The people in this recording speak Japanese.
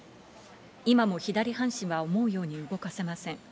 今も左半身は思うように動かせません。